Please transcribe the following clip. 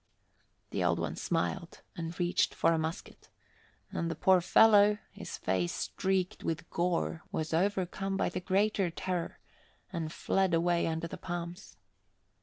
The Old One smiled and reached for a musket, and the poor fellow, his face streaked with gore, was overcome by the greater terror and fled away under the palms.